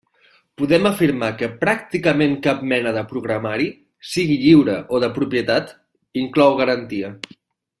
Podem afirmar que pràcticament cap mena de programari, sigui lliure o de propietat, inclou garantia.